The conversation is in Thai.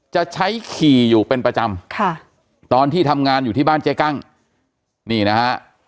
จะใช้ขี่อยู่เป็นประจำค่ะตอนที่ทำงานอยู่ที่บ้านเจ๊กั้งนี่นะฮะ